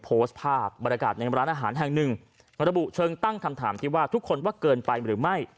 โพสต์ภาพบรรยากาศในร้านอาหารแห่งหนึ่งระบุเชิงตั้งคำถามที่ว่าทุกคนว่าเกินไปหรือไม่